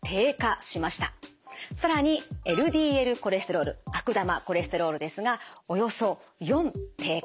更にＬＤＬコレステロール悪玉コレステロールですがおよそ４低下。